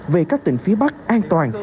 về các tỉnh phía bắc an toàn